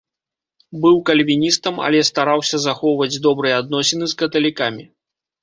Быў кальвіністам, але стараўся захоўваць добрыя адносіны з каталікамі.